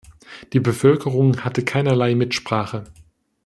Die Bevölkerung hatte keinerlei Mitsprache.